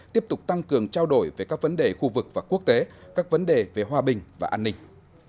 tiếp tục tăng cường trao đổi về các vấn đề khu vực và quốc tế các vấn đề về hòa bình và an ninh